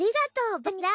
バニラン！